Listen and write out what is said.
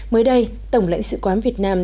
mới đây tổng lãnh sự quán việt nam